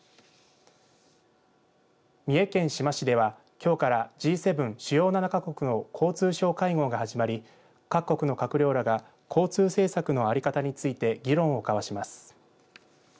三重県志摩市では、きょうからＧ７、主要７か国の交通相会合が始まり各国の閣僚らが交通政策の在り方について議論を交わします。